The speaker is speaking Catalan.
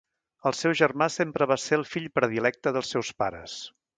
El seu germà sempre va ser el fill predilecte dels seus pares.